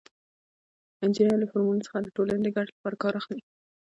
انجینر له فورمول څخه د ټولنې د ګټې لپاره کار اخلي.